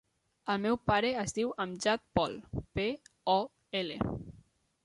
El meu pare es diu Amjad Pol: pe, o, ela.